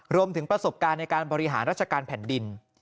รวมถึงประสบการณ์ในการบริหารราชการแผ่นดิน